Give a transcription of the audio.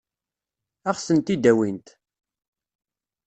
Ad ɣ-tent-id-awint?